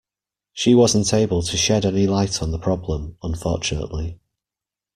She wasn’t able to shed any light on the problem, unfortunately.